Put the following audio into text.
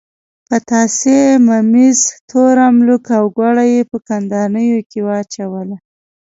پتاسې، ممیز، تور املوک او ګوړه یې په کندانیو کې واچوله.